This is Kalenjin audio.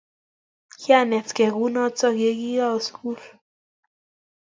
Kwanetkei ko u notok ye kiawe sukul